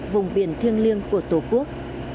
vùng biển thiêng liêng của tổ quốc